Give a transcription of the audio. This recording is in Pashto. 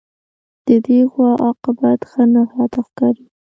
د دې غوا عاقبت ښه نه راته ښکاري